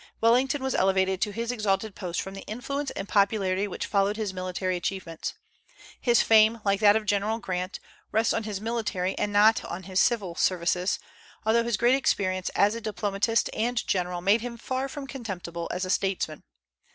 Wellington was elevated to his exalted post from the influence and popularity which followed his military achievements. His fame, like that of General Grant, rests on his military and not on his civil services, although his great experience as a diplomatist and general made him far from contemptible as a statesman.